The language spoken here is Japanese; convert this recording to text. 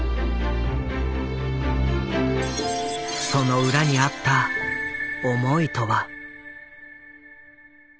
その裏にあった思いとは？